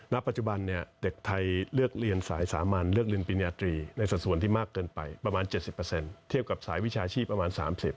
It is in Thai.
ปัจจุบันเด็กไทยเลือกเรียนสายสามัญเลือกเรียนปริญญาตรีในสัดส่วนที่มากเกินไปประมาณ๗๐เทียบกับสายวิชาชีพประมาณ๓๐